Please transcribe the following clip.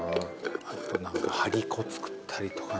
あと何か張り子作ったりとかね。